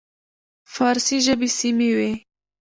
فارسي ژبې سیمې وې.